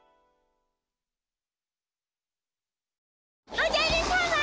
おじゃるさま！